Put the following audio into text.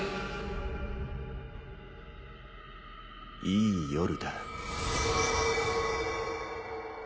いい夜だ。